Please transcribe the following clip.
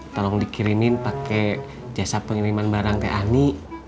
tolong dikirimin pakai jasa pengiriman barang kayak ani